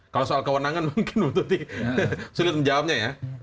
kalau soal kewenangan mungkin bu tuti sulit menjawabnya ya